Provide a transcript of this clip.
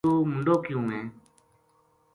توہ منڈو کیوں ہے